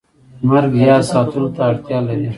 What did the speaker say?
مرګ یاد ساتلو ته اړتیا لري